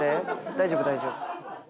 大丈夫大丈夫。